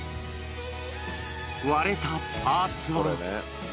割れたパーツは。